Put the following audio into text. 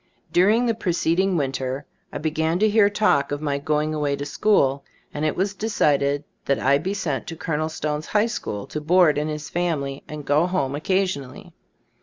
During the preceding winter I be gan to hear talk of my going away to school, and it was decided that I be sent to Col. Stone's High school, to board in his family and go home oc casionally.